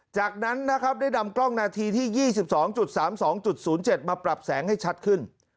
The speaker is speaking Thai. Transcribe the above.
จากนั้นนะครับได้นำกล้องนาทีที่๒๒๓๒๐๗มาปรับแสงให้ชัดขึ้น